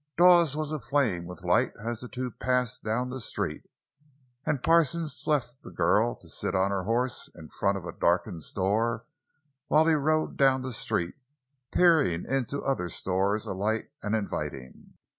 Dawes was aflame with light as the two passed down the street; and Parsons left the girl to sit on her horse in front of a darkened store, while he rode down the street, peering into other stores, alight and inviting.